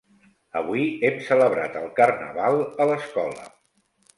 Avui hem celebrat el Carnaval a l'escola.